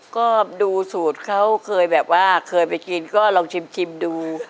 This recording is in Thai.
ก็ดูสูตรเขาเคยแบบว่าเคยไปกินก็ลองชิมดู